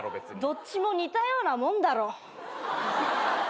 どっちも似たようなもんだろ。